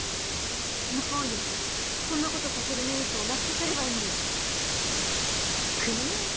向こうにこんなことさせるメリットをなくさせればいいんだよ。